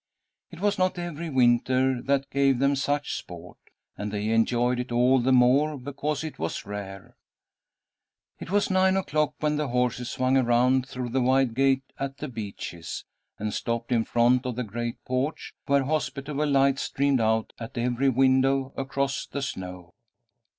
It was not every winter that gave them such sport, and they enjoyed it all the more because it was rare. It was nine o'clock when the horses swung around through the wide gate at The Beeches, and stopped in front of the great porch, where hospitable lights streamed out at every window across the snow.